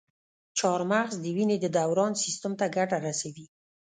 چارمغز د وینې د دوران سیستم ته ګټه رسوي.